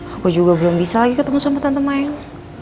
aku juga belum bisa lagi ketemu sama tante mayang